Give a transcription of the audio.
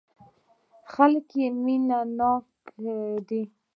خلک يې مينه ناک دي.